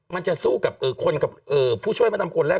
มันจะสู้กับคนกับผู้ช่วยมะดำคนแรก